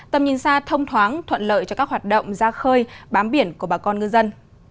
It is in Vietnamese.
tầm nhìn xa thông thoáng thuận lợi cho các hoạt động ra khơi bám biển của bà con ngư dân